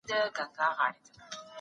په اسلام کي د هر چا حقونه معلوم دي.